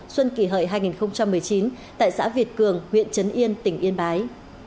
xuân kỷ hợi hai nghìn một mươi chín tại xã việt cường huyện trấn yên tỉnh yên bái